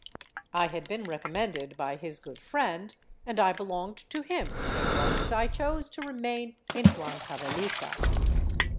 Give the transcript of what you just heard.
I had been recommended by his good friend, and I belonged to him as long as I chose to remain in Huan cavelica.